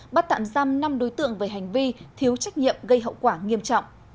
bắt tạm giam năm đối tượng về hành vi thiếu trách nhiệm gây hậu quả nghiêm trọng